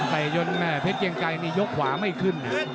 เตะยนต์เพชรเกลียงไกรยกขวาไม่ขึ้น